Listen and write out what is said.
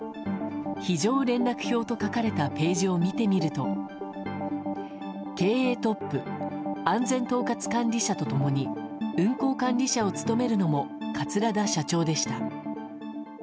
非常連絡表と書かれたページを見てみると経営トップ安全統括管理者と共に運航管理者を務めるのも桂田社長でした。